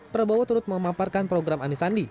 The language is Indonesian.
prabowo turut memaparkan program anies sandi